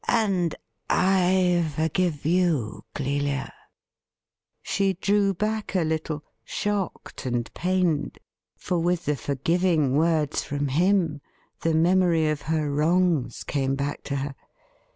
'And I forgive you, Clelia.' She drew back a little, shocked and pained. For with the forgiving words from him the memory of her wrongs came back to her.